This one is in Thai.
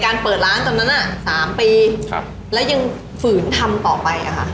เปิดร้านตอนนั้น๓ปีแล้วยังฝืนทำต่อไปอะค่ะ